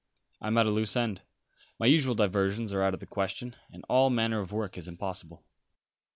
"I am at a loose end. My usual diversions are out of the question; and all manner of work is impossible."